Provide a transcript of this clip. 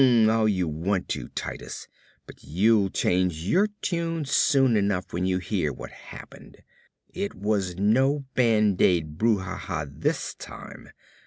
"Hm m m all you want to, Titus, but you'll change your tune soon enough when you hear what happened. It was no band aid brouhaha this time.